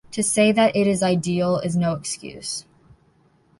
To say that it is ideal is no excuse.